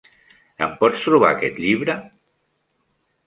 Em pots trobar aquest llibre?